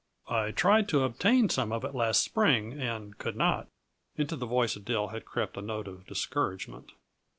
I tried to obtain some of it last spring and could not." Into the voice of Dill had crept a note of discouragement.